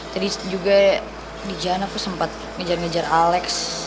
tadi juga di jan aku sempat ngejar ngejar alex